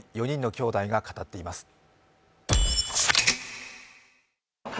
４人の兄弟が語っています。